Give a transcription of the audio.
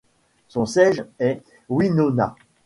Son siège est Winona.